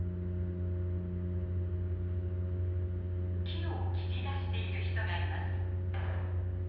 木を切り出している人がいます。